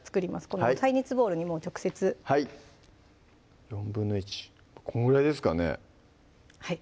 この耐熱ボウルにもう直接はい１／４このぐらいですかねはい